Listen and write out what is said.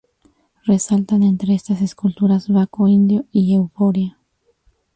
Resaltan entre estas esculturas "Baco Indio" y "Euforia".